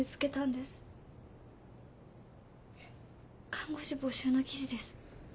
看護師募集の記事です。